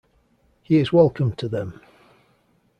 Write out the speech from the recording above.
He is welcome to them.